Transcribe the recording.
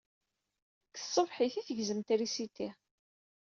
Seg tṣebḥit ay tegzem trisiti.